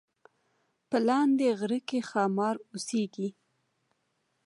په لاندې غره کې ښامار اوسیږي